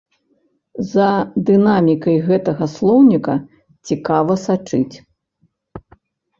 За дынамікай гэтага слоўніка цікава сачыць.